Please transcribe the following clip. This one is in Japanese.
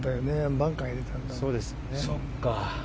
バンカー入れたんだね。